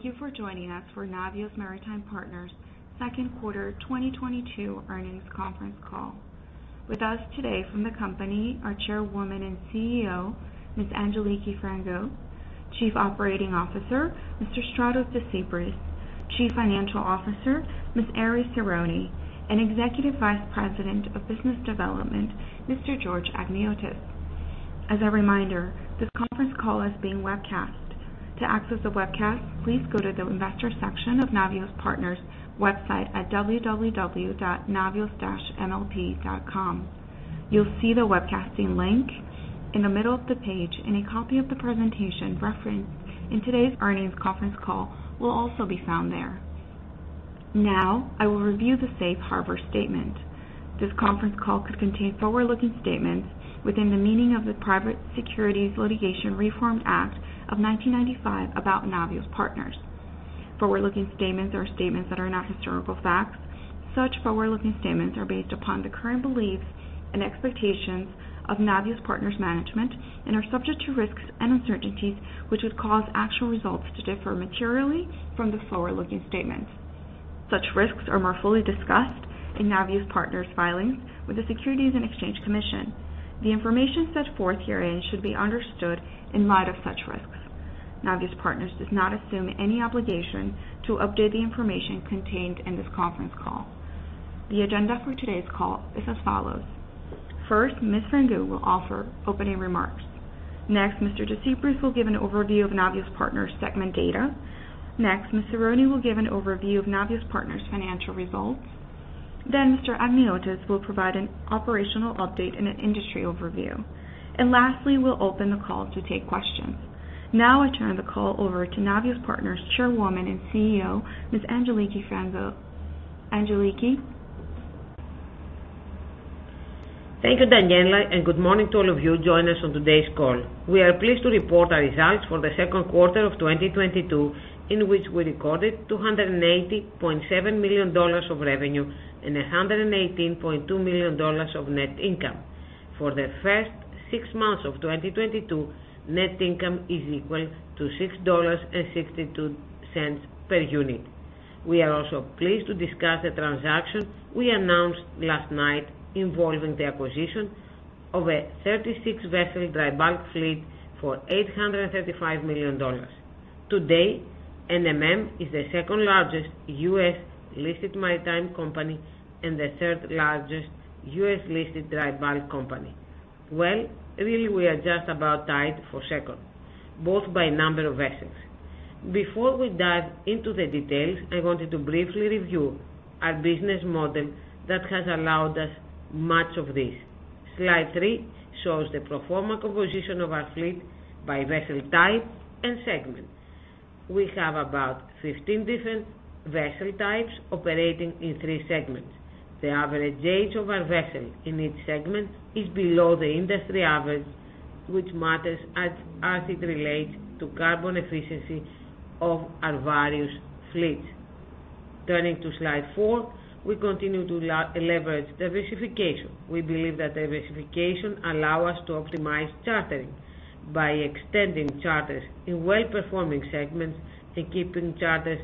Thank you for joining us for Navios Maritime Partners' Second Quarter 2022 Earnings Conference Call. With us today from the company are Chairwoman and CEO, Ms. Angeliki Frangou, Chief Operating Officer, Mr. Efstratios Desypris, Chief Financial Officer, Ms. Erifyli Tsironi, and Executive Vice President of Business Development, Mr. George Achniotis. As a reminder, this conference call is being webcast. To access the webcast, please go to the investor section of Navios Partners website at www.navios-mlp.com. You'll see the webcasting link in the middle of the page, and a copy of the presentation referenced in today's earnings conference call will also be found there. Now I will review the Safe Harbor Statement. This conference call could contain forward-looking statements within the meaning of the Private Securities Litigation Reform Act of 1995 about Navios Partners. Forward-looking statements are statements that are not historical facts. Such forward-looking statements are based upon the current beliefs and expectations of Navios Partners' management and are subject to risks and uncertainties, which would cause actual results to differ materially from the forward-looking statements. Such risks are more fully discussed in Navios Partners' filings with the Securities and Exchange Commission. The information set forth herein should be understood in light of such risks. Navios Partners does not assume any obligation to update the information contained in this conference call. The agenda for today's call is as follows. First, Ms. Frangou will offer opening remarks. Next, Mr. Desypris will give an overview of Navios Partners segment data. Next, Ms. Tsironi will give an overview of Navios Partners' financial results. Mr. Achniotis will provide an operational update and an industry overview. Lastly, we'll open the call to take questions. Now I turn the call over to Navios Maritime Partners Chairwoman and CEO, Ms. Angeliki Frangou. Angeliki? Thank you, Daniella, and good morning to all of you joining us on today's call. We are pleased to report our results for the second quarter of 2022, in which we recorded $280.7 million of revenue and $118.2 million of net income. For the first six months of 2022, net income is equal to $6.62 per unit. We are also pleased to discuss the transaction we announced last night involving the acquisition of a 36-vessel dry bulk fleet for $835 million. Today, NMM is the second-largest U.S-listed maritime company and the third-largest U.S-listed dry bulk company. Well, really we are just about tied for second, both by number of vessels. Before we dive into the details, I wanted to briefly review our business model that has allowed us much of this. Slide three shows the pro forma composition of our fleet by vessel type and segment. We have about 15 different vessel types operating in three segments. The average age of our vessel in each segment is below the industry average, which matters as it relates to carbon efficiency of our various fleets. Turning to slide four, we continue to leverage diversification. We believe that diversification allow us to optimize chartering, by extending charters in well-performing segments and keeping charter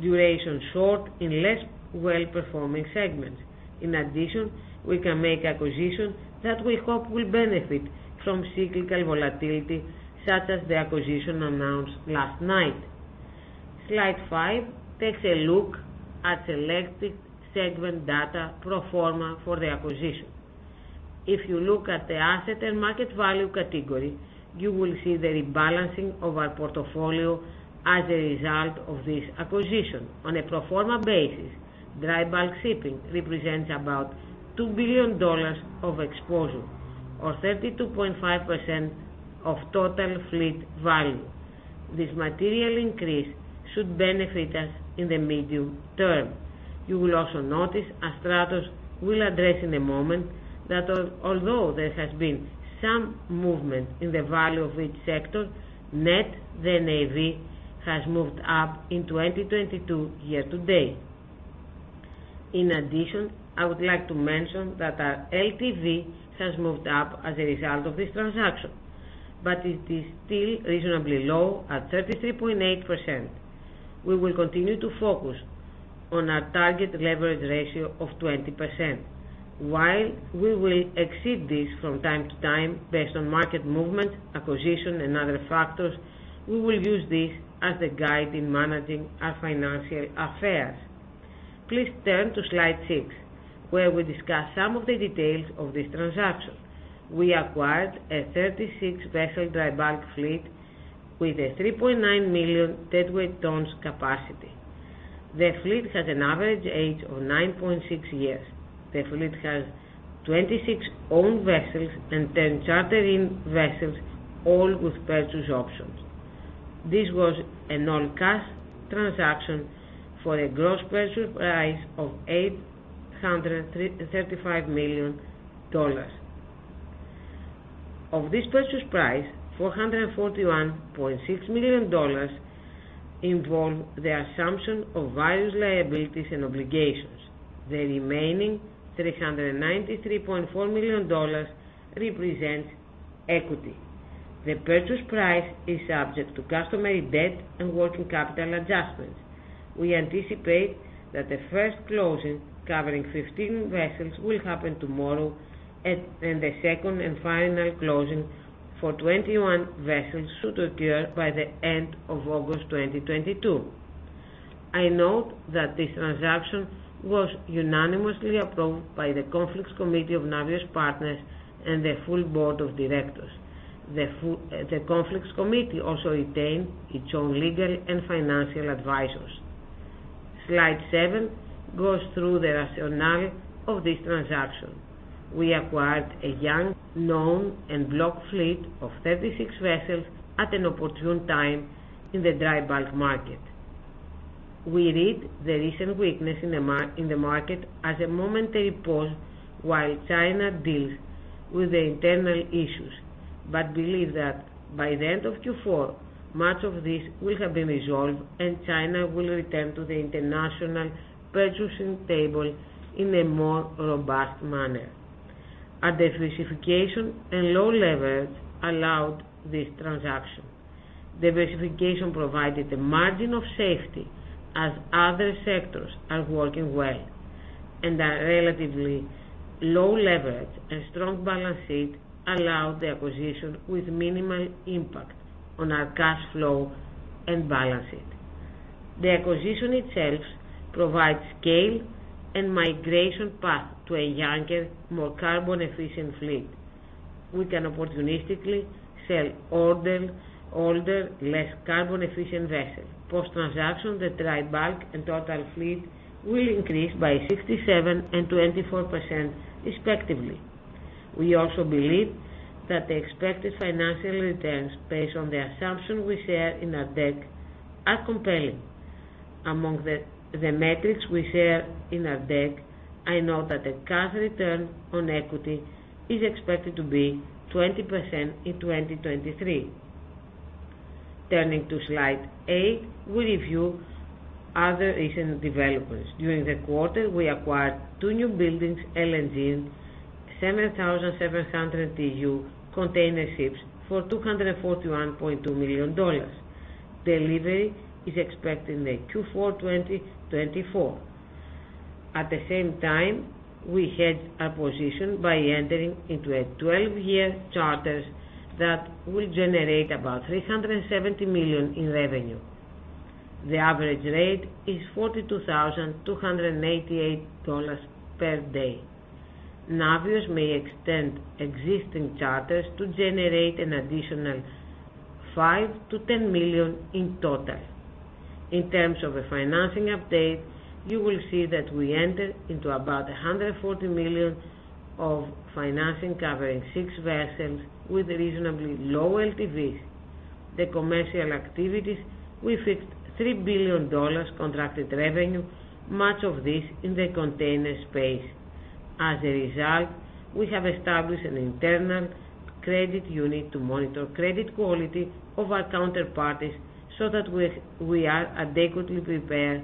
duration short in less well-performing segments. In addition, we can make acquisitions that we hope will benefit from cyclical volatility, such as the acquisition announced last night. Slide five, takes a look at selected segment data pro forma for the acquisition. If you look at the asset and market value category, you will see the rebalancing of our portfolio as a result of this acquisition. On a pro forma basis, dry bulk shipping represents about $2 billion of exposure or 32.5% of total fleet value. This material increase should benefit us in the medium term. You will also notice, as Stratos will address in a moment, that although there has been some movement in the value of each sector, net the NAV has moved up in 2022 year-to-date. In addition, I would like to mention that our LTV has moved up as a result of this transaction, but it is still reasonably low at 33.8%. We will continue to focus on our target leverage ratio of 20%. While we will exceed this from time to time based on market movement, acquisition and other factors, we will use this as the guide in managing our financial affairs. Please turn to slide six, where we discuss some of the details of this transaction. We acquired a 36-vessel dry bulk fleet with a 3.9 million deadweight tons capacity. The fleet has an average age of 9.6 years. The fleet has 26 owned vessels and 10 chartered-in vessels, all with purchase options. This was an all-cash transaction for a gross purchase price of $835 million. Of this purchase price, $441.6 million involve the assumption of various liabilities and obligations. The remaining $393.4 million represents equity. The purchase price is subject to customary debt and working capital adjustments. We anticipate that the first closing covering 15 vessels will happen tomorrow and the second and final closing for 21 vessels should occur by the end of August 2022. I note that this transaction was unanimously approved by the Conflicts Committee of Navios Partners and the full Board of Directors. The Conflicts Committee also retained its own legal and financial advisors. Slide seven, goes through the rationale of this transaction. We acquired a young, known and block fleet of 36 vessels at an opportune time in the dry bulk market. We read the recent weakness in the market as a momentary pause while China deals with the internal issues, but believe that by the end of Q4, much of this will have been resolved and China will return to the international purchasing table in a more robust manner. Our diversification and low levels allowed this transaction. Diversification provided a margin of safety as other sectors are working well, and our relatively low leverage and strong balance sheet allowed the acquisition with minimal impact on our cash flow and balance sheet. The acquisition itself provides scale and migration path to a younger, more carbon efficient fleet. We can opportunistically sell older, less carbon efficient vessels. Post-transaction, the dry bulk and total fleet will increase by 67% and 24% respectively. We also believe that the expected financial returns based on the assumption we share in our deck are compelling. Among the metrics we share in our deck, I know that the current return on equity is expected to be 20% in 2023. Turning to slide eight, we review other recent developments. During the quarter, we acquired two Newbuilding, LNG 7,700 TEU container ships for $241.2 million. Delivery is expected in Q4 2024. At the same time, we hedged our position by entering into a 12-year charter that will generate about $370 million in revenue. The average rate is $42,288 per day. Navios may extend existing charters to generate an additional $5 million-$10 million in total. In terms of a financing update, you will see that we entered into about $140 million of financing covering six vessels with reasonably low LTVs. The commercial activities, we fixed $3 billion contracted revenue, much of this in the container space. As a result, we have established an internal credit unit to monitor credit quality of our counterparties so that we are adequately prepared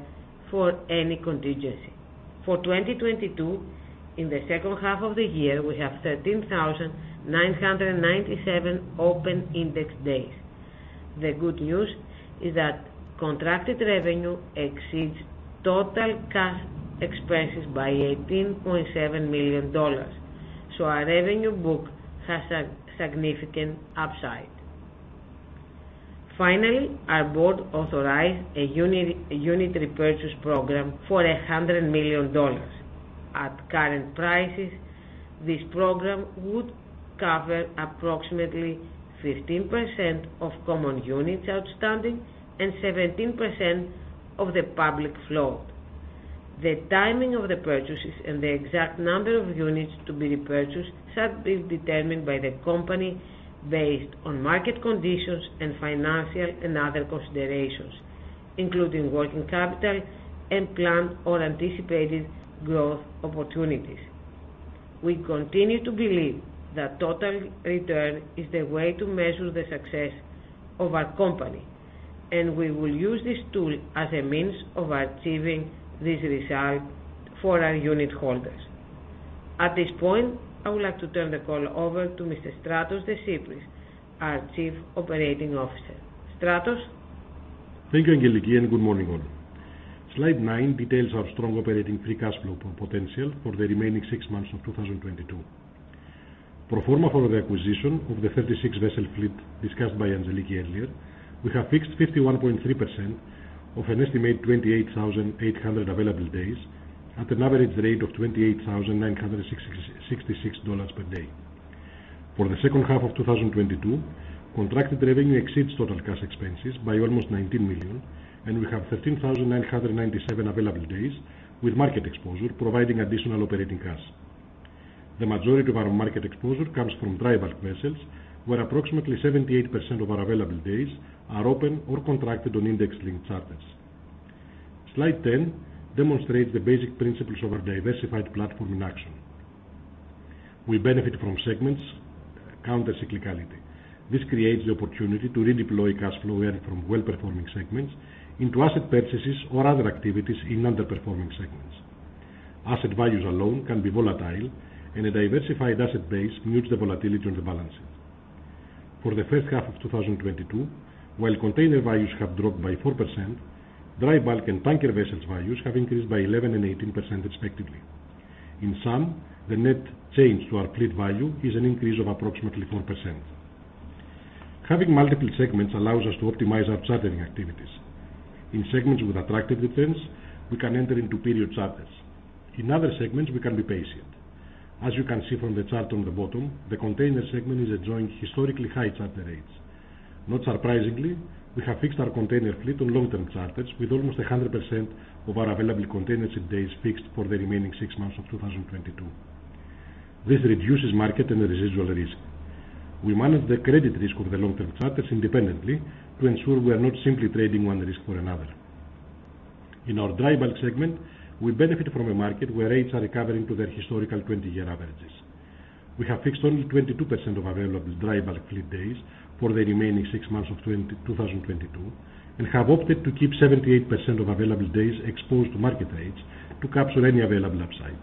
for any contingency. For 2022, in the second half of the year, we have 13,997 open index days. The good news is that contracted revenue exceeds total cash expenses by $18.7 million, so our revenue book has a significant upside. Finally, our board authorized a unit repurchase program for $100 million. At current prices, this program would cover approximately 15% of common units outstanding and 17% of the public float. The timing of the purchases and the exact number of units to be repurchased shall be determined by the company based on market conditions and financial and other considerations, including working capital and planned or anticipated growth opportunities. We continue to believe that total return is the way to measure the success of our company, and we will use this tool as a means of achieving this result for our unit holders. At this point, I would like to turn the call over to Mr. Efstratios Desypris, our Chief Operating Officer. Stratos? Thank you, Angeliki, and good morning, all. Slide nine details our strong operating free cash flow potential for the remaining six months of 2022. Pro forma for the acquisition of the 36-vessel fleet discussed by Angeliki earlier, we have fixed 51.3% of an estimated 28,800 available days at an average rate of $28,966 per day. For the second half of 2022, contracted revenue exceeds total cash expenses by almost $19 million, and we have 13,997 available days with market exposure providing additional operating cash. The majority of our market exposure comes from dry bulk vessels where approximately 78% of our available days are open or contracted on index-linked charters. Slide 10 demonstrates the basic principles of our diversified platform in action. We benefit from segments’ countercyclicality. This creates the opportunity to redeploy cash flow out from well-performing segments into asset purchases or other activities in underperforming segments. Asset values alone can be volatile, and a diversified asset base mutes the volatility on the balance sheet. For the first half of 2022, while container values have dropped by 4%, dry bulk and tanker vessels values have increased by 11% and 18% respectively. In sum, the net change to our fleet value is an increase of approximately 4%. Having multiple segments allows us to optimize our chartering activities. In segments with attractive returns, we can enter into period charters. In other segments, we can be patient. As you can see from the chart on the bottom, the container segment is enjoying historically high charter rates. Not surprisingly, we have fixed our container fleet on long-term charters with almost 100% of our available container ship days fixed for the remaining six months of 2022. This reduces market and the residual risk. We manage the credit risk of the long-term charters independently to ensure we are not simply trading one risk for another. In our dry bulk segment, we benefit from a market where rates are recovering to their historical 20-year averages. We have fixed only 22% of available dry bulk fleet days for the remaining six months of 2022, and have opted to keep 78% of available days exposed to market rates to capture any available upside.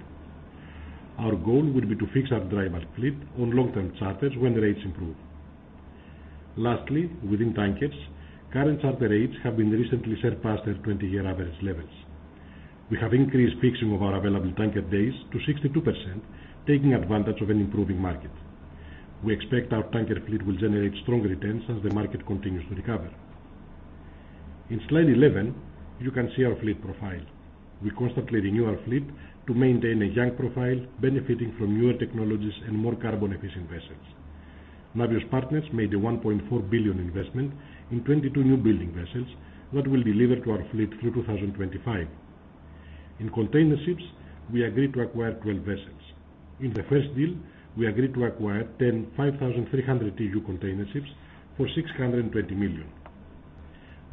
Our goal will be to fix our dry bulk fleet on long-term charters when rates improve. Lastly, within tankers, current charter rates have been recently surpassed their 20-year average levels. We have increased fixing of our available tanker days to 62%, taking advantage of an improving market. We expect our tanker fleet will generate strong returns as the market continues to recover. In slide 11, you can see our fleet profile. We constantly renew our fleet to maintain a young profile benefiting from newer technologies and more carbon efficient vessels. Navios Partners made a $1.4 billion investment in 22 Newbuilding vessels that will deliver to our fleet through 2025. In container ships, we agreed to acquire 12 vessels. In the first deal, we agreed to acquire 10 5,300 TEU container ships for $620 million.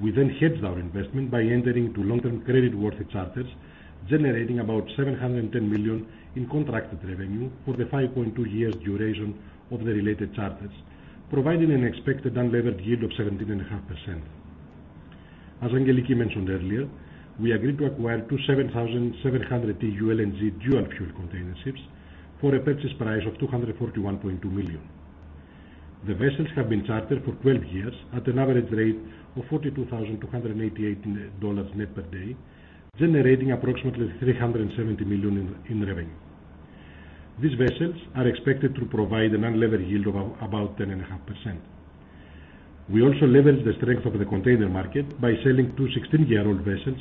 We then hedged our investment by entering into long-term creditworthy charters, generating about $710 million in contracted revenue for the 5.2 years duration of the related charters, providing an expected unlevered yield of 17.5%. As Angeliki mentioned earlier, we agreed to acquire two 7,700 TEU LNG dual fuel container ships for a purchase price of $241.2 million. The vessels have been chartered for 12 years at an average rate of $42,288 net per day, generating approximately $370 million in revenue. These vessels are expected to provide an unlevered yield of about 10.5%. We also leveraged the strength of the container market by selling two 16-year-old vessels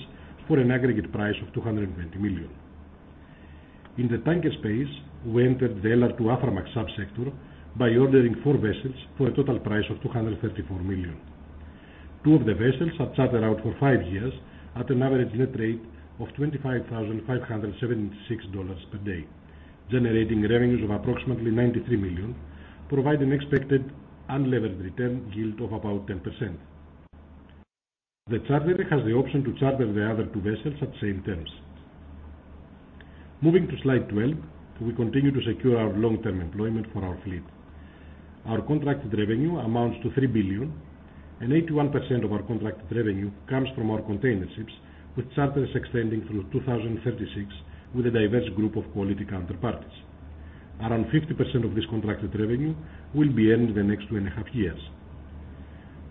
for an aggregate price of $220 million. In the tanker space, we entered the LR2/Aframax sub-sector by ordering four vessels for a total price of $234 million. Two of the vessels are chartered out for five years at an average net rate of $25,576 per day, generating revenues of approximately $93 million, provide an expected unlevered return yield of about 10%. The charterer has the option to charter the other two vessels at same terms. Moving to slide 12, we continue to secure our long-term employment for our fleet. Our contracted revenue amounts to $3 billion, and 81% of our contracted revenue comes from our container ships, with charters extending through 2036 with a diverse group of quality counterparties. Around 50% of this contracted revenue will be earned in the next 2.5 years.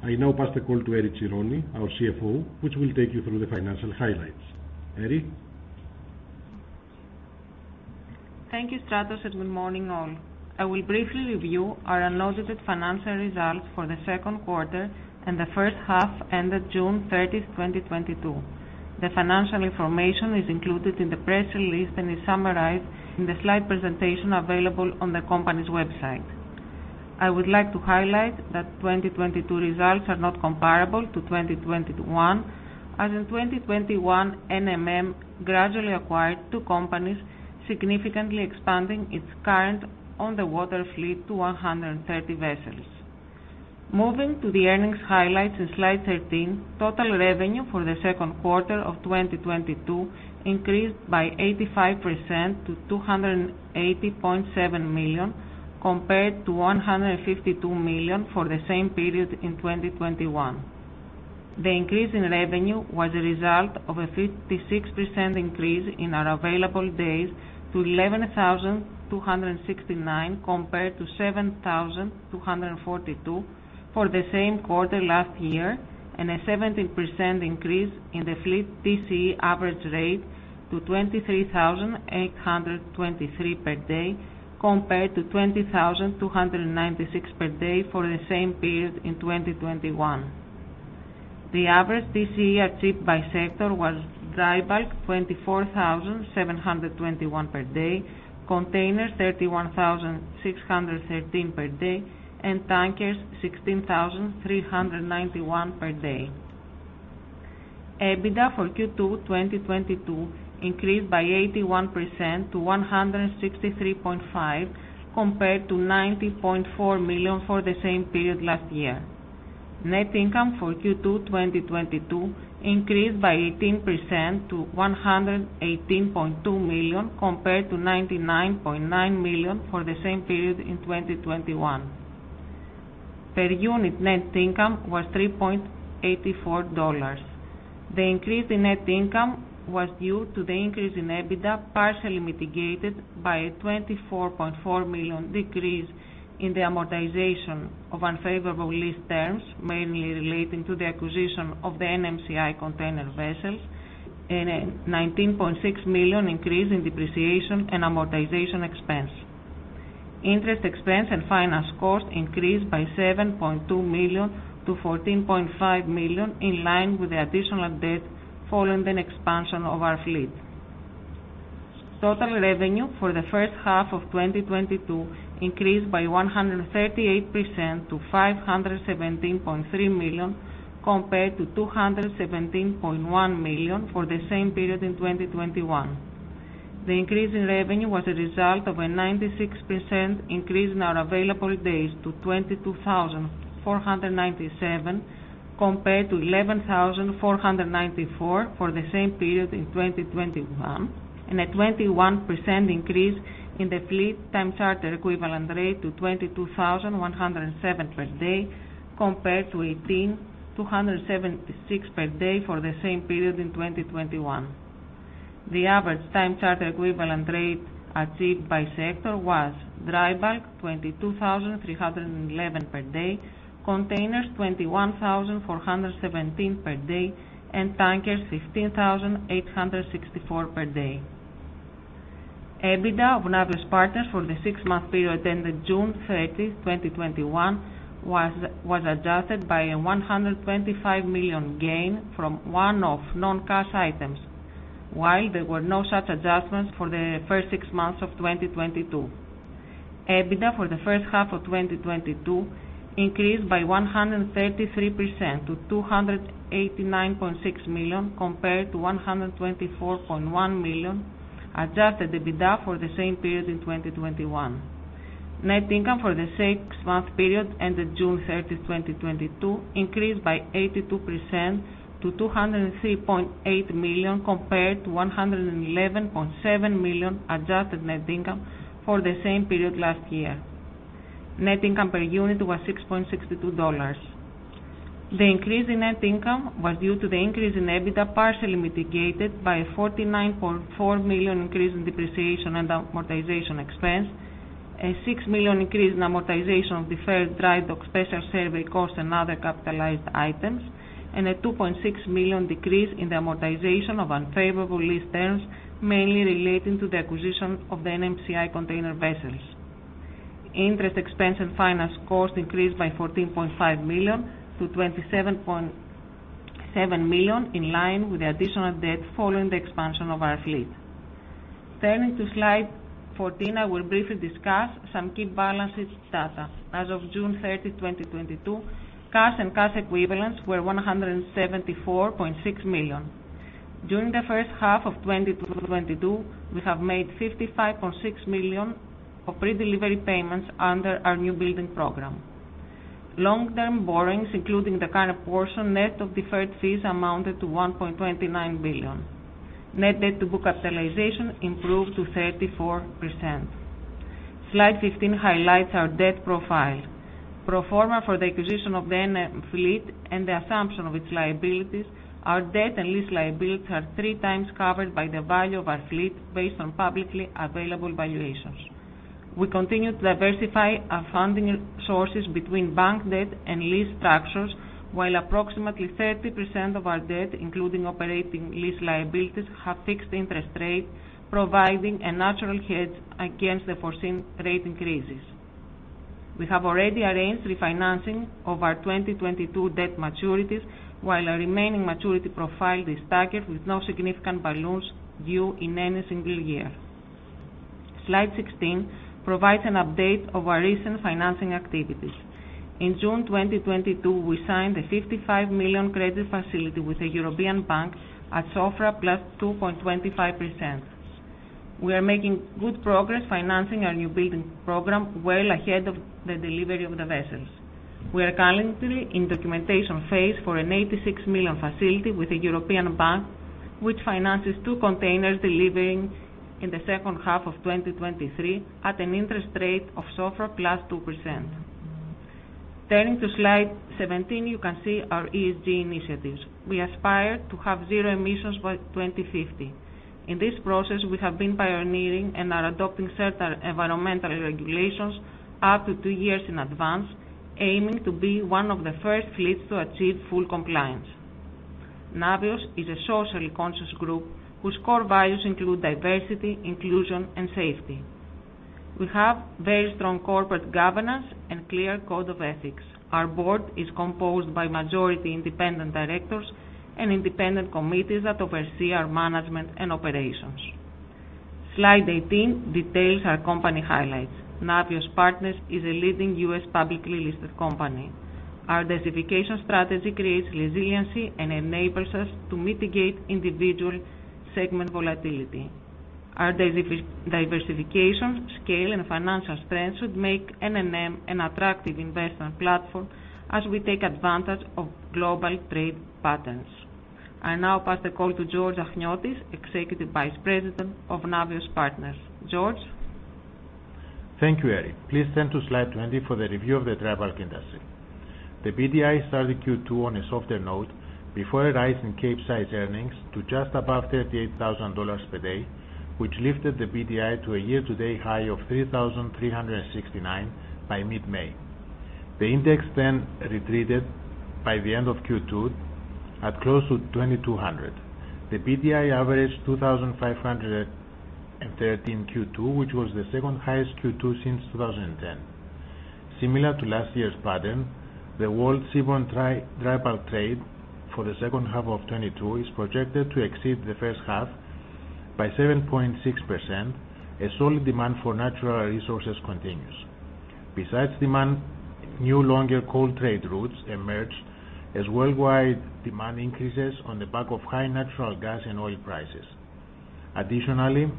I now pass the call to Erifyli Tsironi, our CFO, which will take you through the financial highlights. Erifyli? Thank you, Stratos, and good morning, all. I will briefly review our unaudited financial results for the second quarter and the first half ended June 30, 2022. The financial information is included in the press release and is summarized in the slide presentation available on the company's website. I would like to highlight that 2022 results are not comparable to 2021, as in 2021, NMM gradually acquired two companies, significantly expanding its current on-the-water fleet to 130 vessels. Moving to the earnings highlights in slide 13, total revenue for the second quarter of 2022 increased by 85% to $280.7 million, compared to $152 million for the same period in 2021. The increase in revenue was a result of a 56% increase in our available days to 11,269, compared to 7,242 for the same quarter last year, and a 17% increase in the fleet TCE average rate to 23,823 per day, compared to 20,296 per day for the same period in 2021. The average TCE achieved by sector was dry bulk 24,721 per day, containers 31,613 per day, and tankers 16,391 per day. EBITDA for Q2 2022 increased by 81% to $163.5 million, compared to $90.4 million for the same period last year. Net income for Q2 2022 increased by 18% to $118.2 million, compared to $99.9 million for the same period in 2021. Per unit net income was $3.84. The increase in net income was due to the increase in EBITDA, partially mitigated by a $24.4 million decrease in the amortization of unfavorable lease terms, mainly relating to the acquisition of the NMCI container vessels and a $19.6 million increase in depreciation and amortization expense. Interest expense and finance cost increased by $7.2 million to $14.5 million, in line with the additional debt following an expansion of our fleet. Total revenue for the first half of 2022 increased by 138% to $517.3 million, compared to $217.1 million for the same period in 2021. The increase in revenue was a result of a 96% increase in our available days to 22,497, compared to 11,494 for the same period in 2021, and a 21% increase in the fleet time charter equivalent rate to 22,107 per day compared to 18,276 per day for the same period in 2021. The average time charter equivalent rate achieved by sector was dry bulk, 22,311 per day, containers 21,417 per day, and tankers 15,864 per day. EBITDA of Navios Partners for the six-month period ended June 30, 2021 was adjusted by a $125 million gain from one-off non-cash items, while there were no such adjustments for the first six months of 2022. EBITDA for the first half of 2022 increased by 133% to $289.6 million, compared to $124.1 million adjusted EBITDA for the same period in 2021. Net income for the six-month period ended June 30, 2022 increased by 82% to $203.8 million compared to $111.7 million adjusted net income for the same period last year. Net income per unit was $6.62. The increase in net income was due to the increase in EBITDA, partially mitigated by a $49.4 million increase in depreciation and amortization expense, a $6 million increase in amortization of deferred drydock, special survey costs and other capitalized items, and a $2.6 million decrease in the amortization of unfavorable lease terms, mainly relating to the acquisition of the NMCI container vessels. Interest expense and finance costs increased by $14.5 million to $27.7 million, in line with the additional debt following the expansion of our fleet. Turning to slide 14, I will briefly discuss some key balance sheet data. As of June 30, 2022, cash and cash equivalents were $174.6 million. During the first half of 2022, we have made $55.6 million of pre-delivery payments under our Newbuilding program. Long-term borrowings, including the current portion net of deferred fees, amounted to $1.29 billion. Net debt to book capitalization improved to 34%. Slide 15 highlights our debt profile. Pro forma for the acquisition of the NM fleet and the assumption of its liabilities, our debt and lease liabilities are 3x covered by the value of our fleet based on publicly available valuations. We continue to diversify our funding sources between bank debt and lease structures, while approximately 30% of our debt, including operating lease liabilities, have fixed interest rate, providing a natural hedge against the foreseen rate increases. We have already arranged refinancing of our 2022 debt maturities while our remaining maturity profile is staggered with no significant balloons due in any single year. Slide 16 provides an update of our recent financing activities. In June 2022, we signed a $55 million credit facility with a European bank at SOFR+ 2.25%. We are making good progress financing our Newbuilding program well ahead of the delivery of the vessels. We are currently in documentation phase for an $86 million facility with a European bank, which finances two containers delivering in the second half of 2023 at an interest rate of SOFR+ 2%. Turning to slide 17, you can see our ESG initiatives. We aspire to have zero emissions by 2050. In this process, we have been pioneering and are adopting certain environmental regulations up to two years in advance, aiming to be one of the first fleets to achieve full compliance. Navios is a socially conscious group whose core values include diversity, inclusion, and safety. We have very strong corporate governance and clear code of ethics. Our board is composed by majority independent directors and independent committees that oversee our management and operations. Slide 18 details our company highlights. Navios Maritime Partners is a leading U.S. publicly listed company. Our diversification strategy creates resiliency and enables us to mitigate individual segment volatility. Our diversification, scale, and financial strength should make NMM an attractive investment platform as we take advantage of global trade patterns. I now pass the call to George Achniotis, Executive Vice President of Navios Maritime Partners. George? Thank you, Erifyli. Please turn to slide 20 for the review of the dry bulk industry. The BDI started Q2 on a softer note before a rise in capesize earnings to just above $38,000 per day, which lifted the BDI to a year-to-date high of 3,369 by mid-May. The index then retreated by the end of Q2 at close to 2,200. The BDI averaged 2,513, Q2, which was the second highest Q2 since 2010. Similar to last year's pattern, the world seaborne dry bulk trade for the second half of 2022 is projected to exceed the first half by 7.6% as solid demand for natural resources continues. Besides demand, new longer coal trade routes emerged as worldwide demand increases on the back of high natural gas and oil prices. Additionally,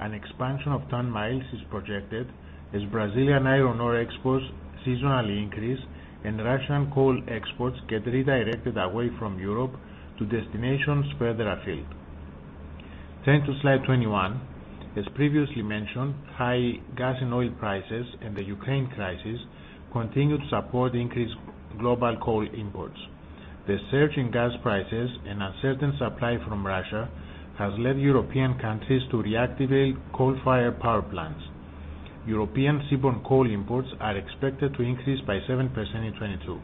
an expansion of ton-miles is projected, as Brazilian iron ore exports’ seasonal increase and Russian coal exports get redirected away from Europe to destinations further afield. Turning to slide 21. As previously mentioned, high gas and oil prices and the Ukraine crisis continue to support increased global coal imports. The surge in gas prices and uncertain supply from Russia has led European countries to reactivate coal-fired power plants. European seaborne coal imports are expected to increase by 7% in 2022.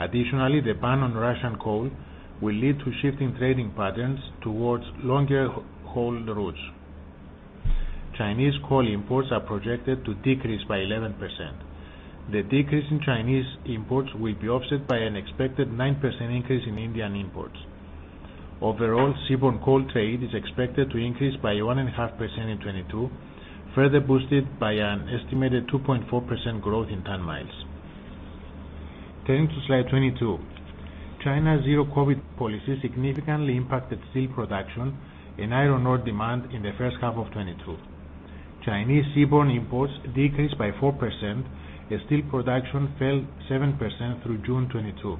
Additionally, the ban on Russian coal will lead to shifting trading patterns towards longer hauled routes. Chinese coal imports are projected to decrease by 11%. The decrease in Chinese imports will be offset by an expected 9% increase in Indian imports. Overall, seaborne coal trade is expected to increase by 1.5% in 2022, further boosted by an estimated 2.4% growth in ton-miles. Turning to slide 22. China's Zero-COVID policy significantly impacted steel production and iron ore demand in the first half of 2022. Chinese seaborne imports decreased by 4% as steel production fell 7% through June 2022.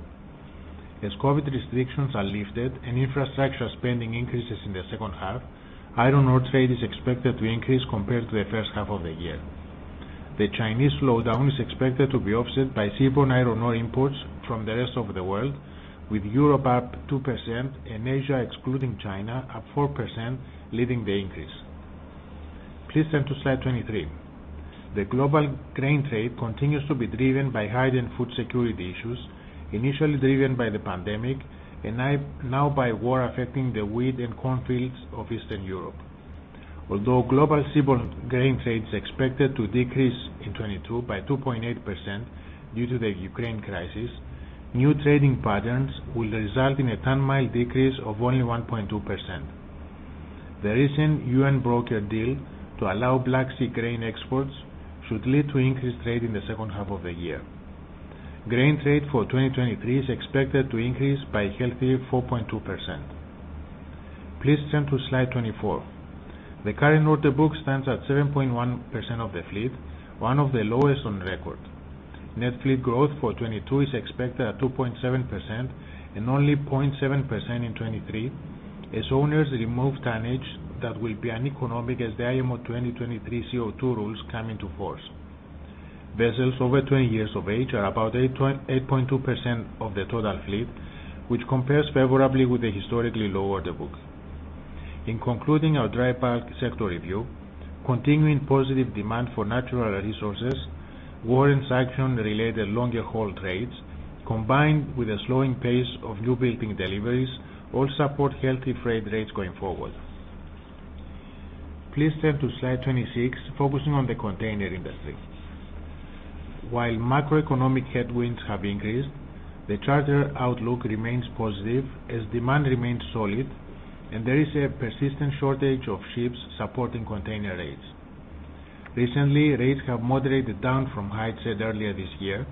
As COVID restrictions are lifted and infrastructure spending increases in the second half, iron ore trade is expected to increase compared to the first half of the year. The Chinese slowdown is expected to be offset by seaborne iron ore imports from the rest of the world, with Europe, up 2% and Asia excluding China, up 4%, leading the increase. Please turn to slide 23. The global grain trade continues to be driven by heightened food security issues, initially driven by the pandemic and now by war affecting the wheat and corn fields of Eastern Europe. Although global seaborne grain trade is expected to decrease in 2022 by 2.8% due to the Ukraine crisis, new trading patterns will result in a ton-mile decrease of only 1.2%. The recent UN-brokered deal to allow Black Sea grain exports should lead to increased trade in the second half of the year. Grain trade for 2023 is expected to increase by a healthy 4.2%. Please turn to slide 24. The current order book stands at 7.1% of the fleet, one of the lowest on record. Net fleet growth for 2022 is expected at 2.7% and only 0.7% in 2023, as owners remove tonnage that will be uneconomic as the IMO 2023 CO2 rules come into force. Vessels over 20 years of age are about 8.2% of the total fleet, which compares favorably with the historically low order book. In concluding our dry bulk sector review, continuing positive demand for natural resources, war and sanction-related longer haul trades, combined with a slowing pace of Newbuilding deliveries, all support healthy freight rates going forward. Please turn to slide 26, focusing on the container industry. While macroeconomic headwinds have increased, the charter outlook remains positive as demand remains solid and there is a persistent shortage of ships supporting container rates. Recently, rates have moderated down from highs set earlier this year.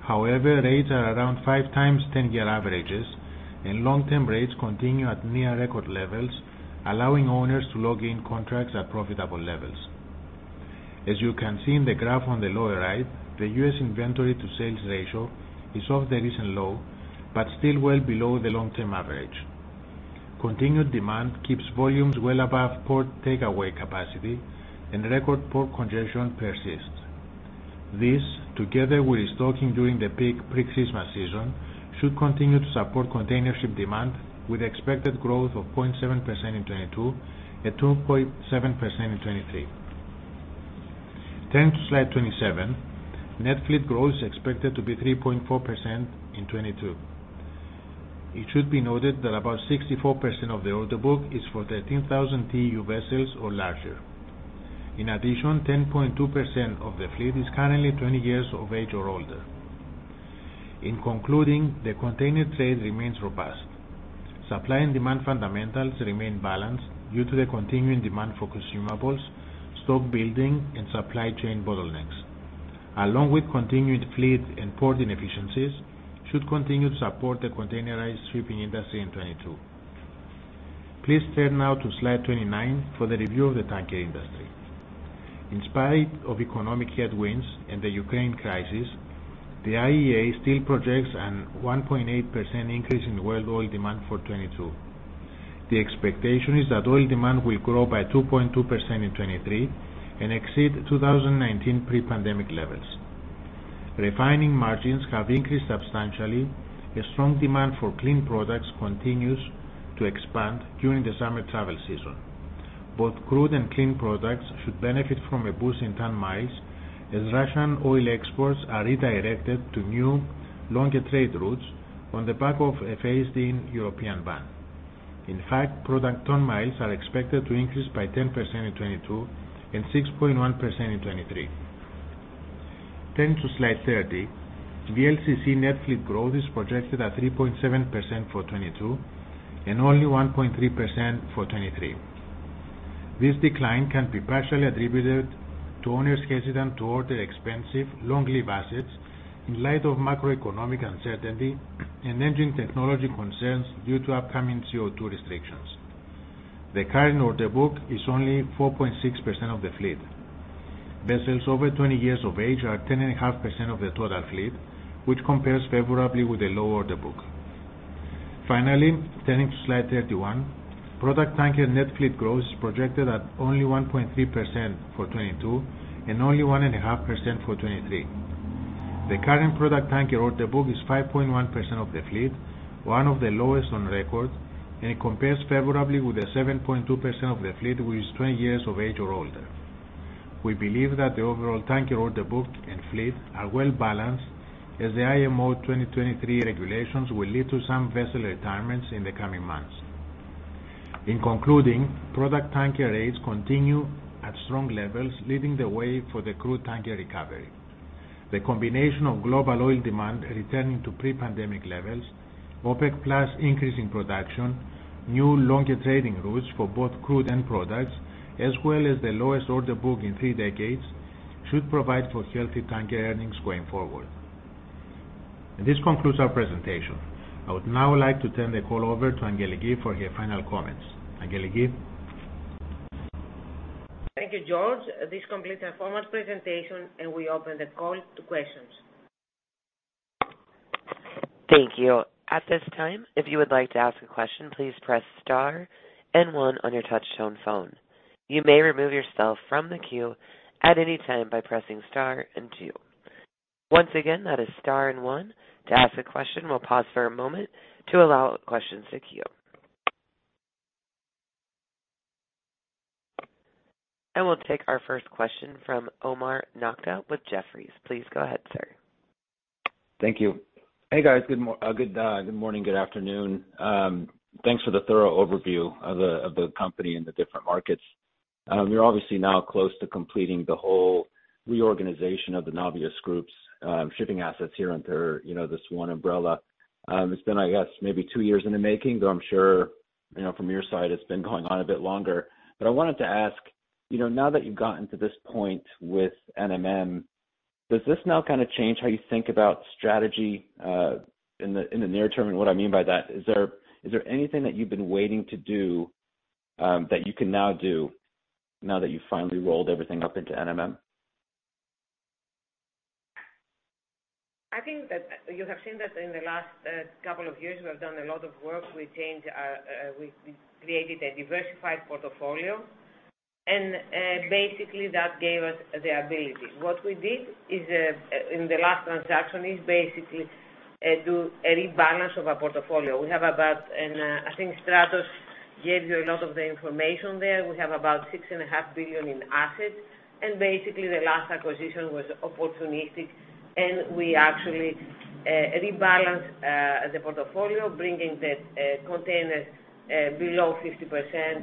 However, rates are around 5x, 10-year averages, and long-term rates continue at near record levels, allowing owners to lock in contracts at profitable levels. As you can see in the graph on the lower right, the U.S. inventory to sales ratio is off the recent low, but still well below the long-term average. Continued demand keeps volumes well above port takeaway capacity and record port congestion persists. This, together with restocking during the peak pre-Christmas season, should continue to support containership demand with expected growth of 0.7% in 2022 and 2.7% in 2023. Turning to slide 27. Net fleet growth is expected to be 3.4% in 2022. It should be noted that about 64% of the order book is for 13,000 TEU vessels or larger. In addition, 10.2% of the fleet is currently 20 years of age or older. In concluding, the container trade remains robust. Supply and demand fundamentals remain balanced due to the continuing demand for consumables, stock building, and supply chain bottlenecks. Along with continued fleet and port inefficiencies, should continue to support the containerized shipping industry in 2022. Please turn now to slide 29 for the review of the tanker industry. In spite of economic headwinds and the Ukraine crisis, the IEA still projects a 1.8% increase in world oil demand for 2022. The expectation is that oil demand will grow by 2.2% in 2023 and exceed 2019 pre-pandemic levels. Refining margins have increased substantially, as strong demand for clean products continues to expand during the summer travel season. Both crude and clean products should benefit from a boost in ton-miles, as Russian oil exports are redirected to new, longer trade routes on the back of a phased-in European ban. In fact, product ton-miles are expected to increase by 10% in 2022 and 6.1% in 2023. Turning to slide 30. VLCC net fleet growth is projected at 3.7% for 2022 and only 1.3% for 2023. This decline can be partially attributed to owners hesitant to order expensive long-lived assets in light of macroeconomic uncertainty and engine technology concerns due to upcoming CO2 restrictions. The current order book is only 4.6% of the fleet. Vessels over 20 years of age are 10.5% of the total fleet, which compares favorably with the low order book. Finally, turning to slide 31. Product tanker net fleet growth is projected at only 1.3% for 2022 and only 1.5% for 2023. The current product tanker order book is 5.1% of the fleet, one of the lowest on record, and it compares favorably with the 7.2% of the fleet who is 20 years of age or older. We believe that the overall tanker order book and fleet are well balanced, as the IMO 2023 regulations will lead to some vessel retirements in the coming months. In concluding, product tanker rates continue at strong levels, leading the way for the crude tanker recovery. The combination of global oil demand returning to pre-pandemic levels, OPEC+ increase in production, new longer trading routes for both crude and products, as well as the lowest order book in three decades, should provide for healthy tanker earnings going forward. This concludes our presentation. I would now like to turn the call over to Angeliki for her final comments. Angeliki? Thank you, George. This completes our formal presentation, and we open the call to questions. Thank you. At this time, if you would like to ask a question, please press star and one on your touch-tone phone. You may remove yourself from the queue at any time by pressing star and two. Once again, that is star and one to ask a question. We'll pause for a moment to allow questions to queue. We'll take our first question from Omar Nokta with Jefferies. Please go ahead, sir. Thank you. Hey, guys. Good morning, good afternoon. Thanks for the thorough overview of the company and the different markets. You're obviously now close to completing the whole reorganization of the Navios Group's shipping assets here under, you know, this one umbrella. It's been, I guess, maybe two years in the making, though I'm sure, you know, from your side, it's been going on a bit longer. But I wanted to ask, you know, now that you've gotten to this point with NMM, does this now kinda change how you think about strategy in the near term? What I mean by that is, is there anything that you've been waiting to do, that you can now do, now that you finally rolled everything up into NMM? I think that you have seen that in the last couple of years, we have done a lot of work. We created a diversified portfolio and basically, that gave us the ability. What we did is, in the last transaction, basically do a rebalance of our portfolio. I think Stratos gave you a lot of the information there. We have about $6.5 billion in assets, and basically the last acquisition was opportunistic and we actually rebalanced the portfolio, bringing the containers below 50%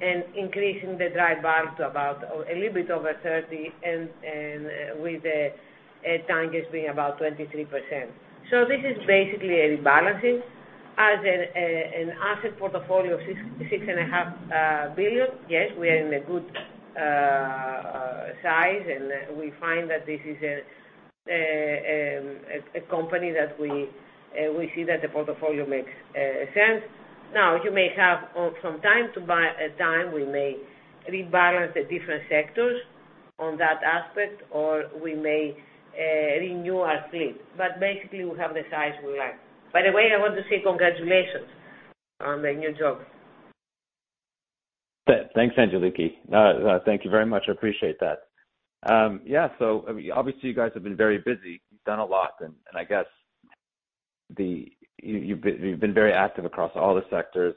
and increasing the dry bulk to about a little bit over 30% and with the tankers being about 23%. This is basically a rebalancing. As an asset portfolio of $6.5 billion, yes, we are in a good size, and we find that this is a company, that we see that the portfolio makes sense. Now you may have from time to time, we may rebalance the different sectors on that aspect or we may renew our fleet. Basically we have the size we like. By the way, I want to say congratulations on the new job. Thanks, Angeliki. Thank you very much. I appreciate that. Yeah, so obviously you guys have been very busy. You've done a lot and I guess you've been very active across all the sectors.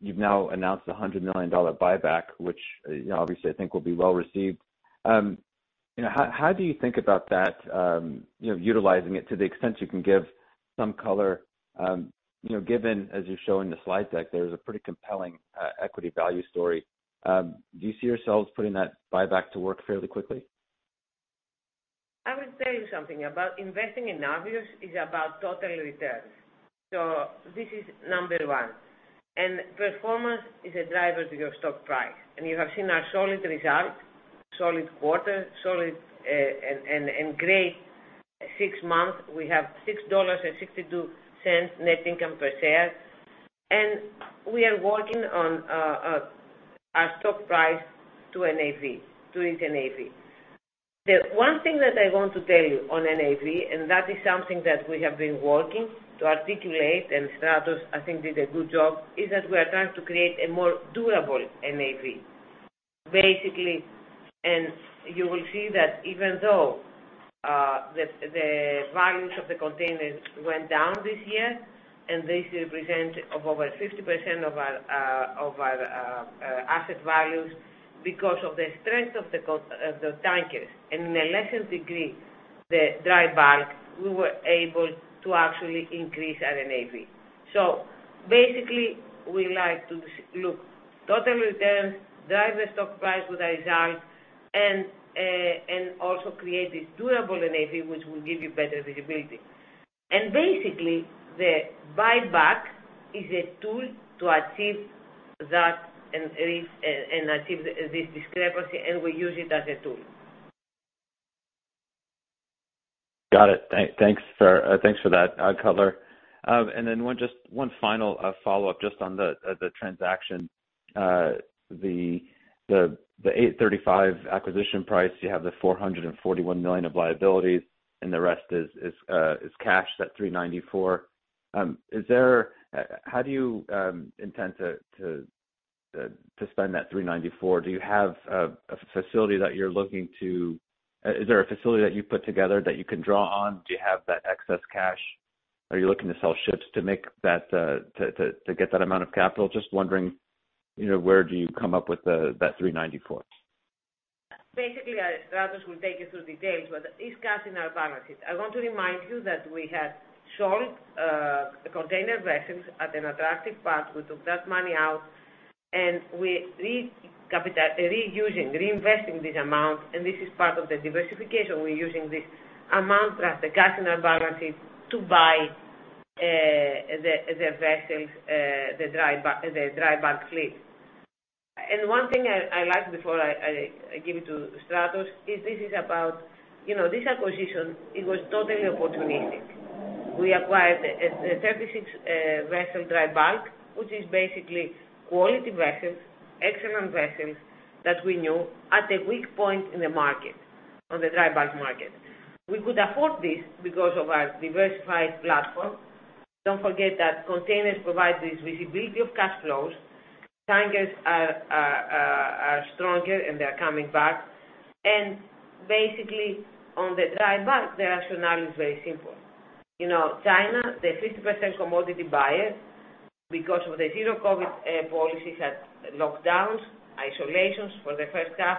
You've now announced a $100 million buyback, which, you know, obviously I think will be well received. You know, how do you think about that, you know, utilizing it to the extent you can give some color, you know, given as you show in the slide deck, there is a pretty compelling equity value story. Do you see yourselves putting that buyback to work fairly quickly? I will tell you something about investing in Navios is about total returns. This is number one. Performance is a driver to your stock price. You have seen our solid result, solid quarter, solid and great six months, we have $6.62 net income per share, and we are working on our stock price to NAV, to reach NAV. The one thing that I want to tell you on NAV, and that is something that we have been working to articulate, and Stratos, I think did a good job, is that we are trying to create a more durable NAV. Basically, you will see that, even though the values of the containers went down this year, and this represent of over 50% of our asset values, because of the strength of the tankers and in a lesser degree the dry bulk, we were able to actually increase our NAV. Basically, we like to look total returns, drive the stock price with our results and also create this durable NAV, which will give you better visibility. Basically, the buyback is a tool to achieve that and reach and achieve this discrepancy, and we use it as a tool. Got it. Thanks for that color. One final follow-up, just on the transaction. The $835 acquisition price, you have the $441 million of liabilities, and the rest is cash, that $394 million. How do you intend to spend that $394 million? Do you have a facility that you're looking to? Is there a facility that you've put together that you can draw on? Do you have that excess cash? Are you looking to sell ships to make that, to get that amount of capital? Just wondering, you know, where do you come up with that $394? Basically, Stratos will take you through details, but it's cash in our balances. I want to remind you that we have sold container vessels at an attractive price. We took that money out, and we are reusing, reinvesting this amount, and this is part of the diversification. We're using this amount plus the cash in our balances to buy the vessels, the dry bulk fleet. One thing I'd like before I give it to Stratos is this is about, you know, this acquisition, it was totally opportunistic. We acquired the 36-vessel dry bulk, which is basically quality vessels, excellent vessels that we knew at a weak point in the market, on the dry bulk market. We could afford this because of our diversified platform. Don't forget that containers provide this visibility of cash flows. Tankers are stronger, and they are coming back. Basically, on the dry bulk, the rationale is very simple. You know, China, the 50% commodity buyer because of the Zero-COVID policies had lockdowns, isolations for the first half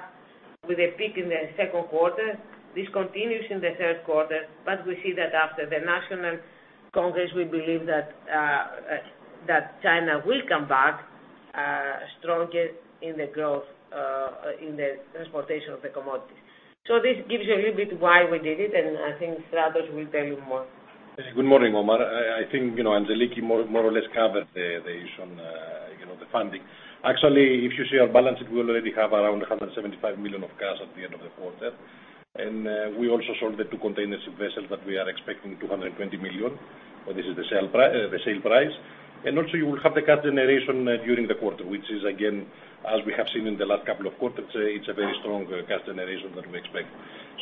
with a peak in the second quarter. This continues in the third quarter, but we see that after the National People's Congress, we believe that China will come back stronger in the growth in the transportation of the commodities. This gives you a little bit why we did it, and I think Stratos will tell you more. Good morning, Omar. I think, you know, Angeliki more or less covered the issue on the funding. Actually, if you see our balance sheet, we already have around $175 million of cash at the end of the quarter. We also sold the two container vessels that we are expecting $220 million, so this is the sale price. You will also have the cash generation during the quarter, which is again, as we have seen in the last couple of quarters, it's a very strong cash generation that we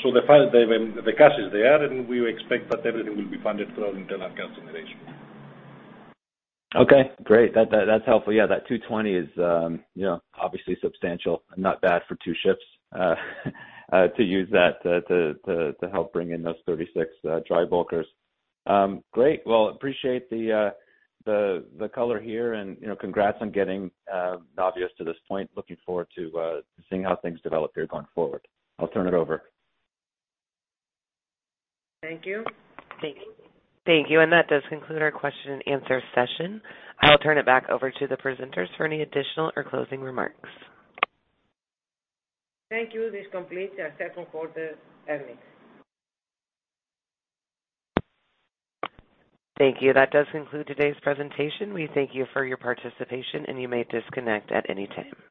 expect. The cash is there, and we expect that everything will be funded through our internal cash generation. Okay, great. That's helpful. Yeah, that $220 million is, you know, obviously substantial. Not bad for two ships to use that to help bring in those 36 dry bulkers. Great. Well, appreciate the color here and, you know, congrats on getting Navios to this point. Looking forward to seeing how things develop here going forward. I'll turn it over. Thank you. Thank you. That does conclude our question and answer session. I'll turn it back over to the presenters for any additional or closing remarks. Thank you. This completes our second quarter earnings. Thank you. That does conclude today's presentation. We thank you for your participation, and you may disconnect at any time.